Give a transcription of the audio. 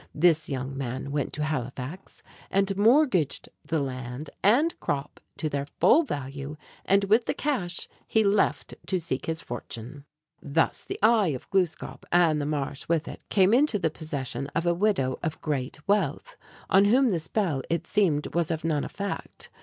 This young man went to Halifax and mortgaged the land and crop to their full value; and with the cash he left to seek his fortune. Thus the "Eye of Gluskâp," and the Marsh with it, came into the possession of a widow of great wealth, on whom the spell, it seemed, was of none effect.